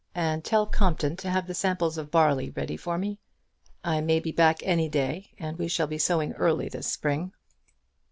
"And tell Compton to have the samples of barley ready for me. I may be back any day, and we shall be sowing early this spring."